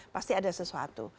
pasti ada sesuatu